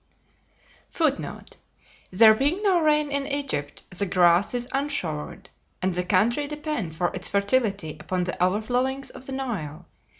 [Footnote: There being no rain in Egypt, the grass is "unshowered," and the country depend for its fertility upon the overflowings of the Nile.